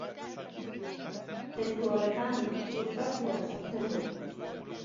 Zentzu horretan, frustrazioa sortzen du.